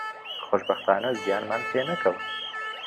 خۆشبەختانە زیانمان پێ نەکەوت